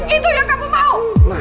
itu yang kamu mau